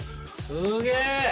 すげえ！